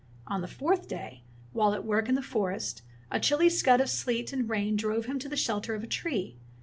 On the fourth day, while at work in the for est, a chilly scud of sleet and rain drove him to the shelter of a tree.